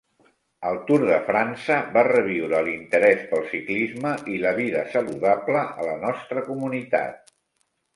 El Tour de França va reviure l'interès pel ciclisme i la vida saludable a la nostra comunitat.